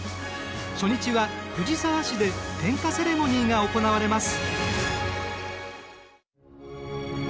初日は藤沢市で点火セレモニーが行われます。